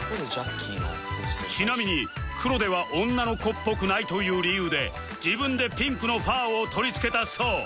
ちなみに黒では女の子っぽくないという理由で自分でピンクのファーを取り付けたそう